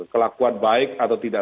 kelakuan baik atau tidak